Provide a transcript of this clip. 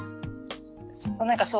何かそう。